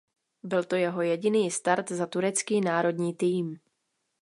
Byl to jeho jediný start za turecký národní tým.